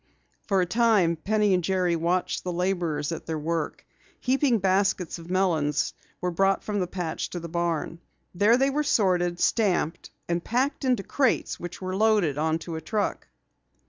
For a time Penny and Jerry watched the laborers at their work. Heaping baskets of melons were brought from the patch to the barn. There they were sorted, stamped, and packed into crates which were loaded into a truck.